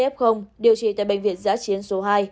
hai trăm sáu mươi f điều trị tại bệnh viện giã chiến số hai